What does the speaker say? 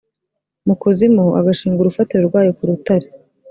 mu kuzimu agashinga urufatiro rwayo ku rutare